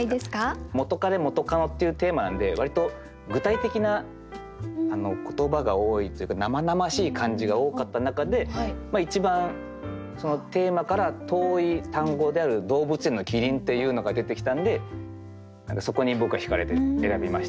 「元カレ・元カノ」っていうテーマなんで割と具体的な言葉が多いというか生々しい感じが多かった中で一番テーマから遠い単語である「動物園のキリン」っていうのが出てきたんでそこに僕はひかれて選びました。